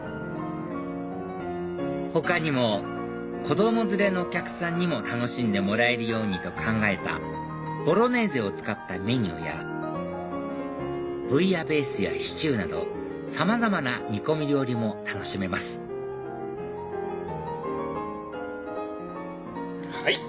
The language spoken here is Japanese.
他にも子供連れのお客さんにも楽しんでもらえるようにと考えたボロネーゼを使ったメニューやブイヤベースやシチューなどさまざまな煮込み料理も楽しめますはい！